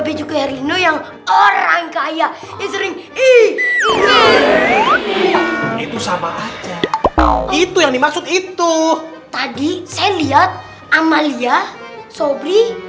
bejuku herlindo yang orang kaya itu sama aja itu yang dimaksud itu tadi saya lihat amalia sobri